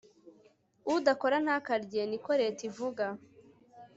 udakora ntakarye niko reta ivuga